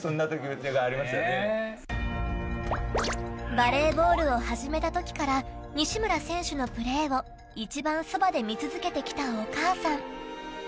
バレーボールを始めた時から西村選手のプレーを一番そばで見続けてきたお母さん。